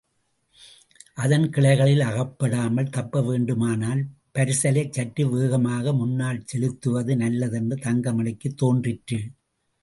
அதன் கிளைகளில் அகப்படாமல் தப்பவேண்டுமானால் பரிசலைச்சற்று வேகமாக முன்னால் செலுத்துவது நல்லதென்று தங்கமணிக்குத் தோன்றிற்று.